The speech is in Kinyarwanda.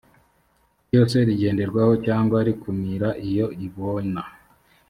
ryose rigenderwaho cyangwa rikumira iyo ibona